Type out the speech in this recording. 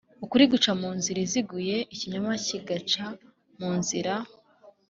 ukuri guca mu nzira iziguye ikinyoma kigaca mu nzira